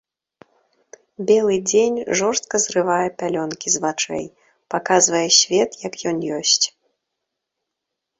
Белы дзень жорстка зрывае пялёнкі з вачэй, паказвае свет, як ён ёсць.